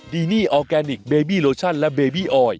ดีนี่ออร์แกนิคเบบี้โลชั่นและเบบี้ออย